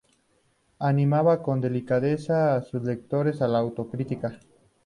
Animaba con delicadeza a sus lectores a la autocrítica.